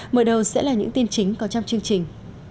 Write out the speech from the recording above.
mở đầu sẽ là những tin chính có trong chương trình